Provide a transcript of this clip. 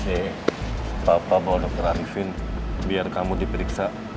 eh papa bawa dokter arifin biar kamu diperiksa